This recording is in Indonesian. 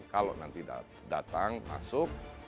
kalau nanti datang masuk untuk memperbaiki olahraga